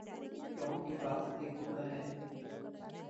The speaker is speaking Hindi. टॉम के पास एक घोड़ा है।